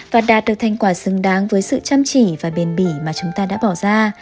và đạt được thành quả xứng đáng với sự chăm chỉ và bền bỉ mà chúng ta đã bỏ ra